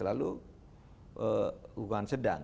lalu hukuman sedang